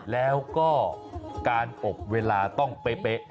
แล้วก็การอบเวลาต้องเป๊ะ